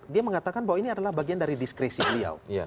dia mengatakan bahwa ini adalah bagian dari diskresi beliau